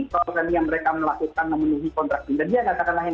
kalau tadi yang mereka melakukan memenuhi kontrak interjia kata kata lainnya seperti ini